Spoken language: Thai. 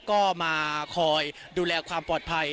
ก็มาคอยดูแลความปลอดภัย